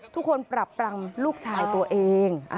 ทุกคนปรับปรัมลูกชายตัวเอง